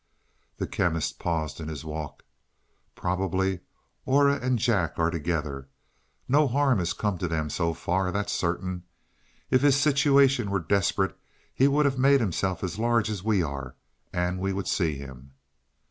The Chemist paused in his walk. "Probably Aura and Jack are together. No harm has come to them so far that's certain. If his situation were desperate he would have made himself as large as we are and we would see him."